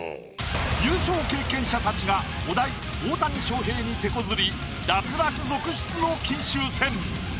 優勝経験者たちがお題「大谷翔平」にてこずり脱落続出の金秋戦。